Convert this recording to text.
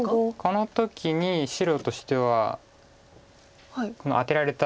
この時に白としてはこのアテられた